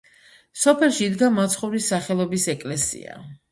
სოფელში იდგა მაცხოვრის სახელობის ეკლესია.